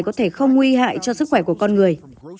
có thể không nguy hại cho sức khỏe của con người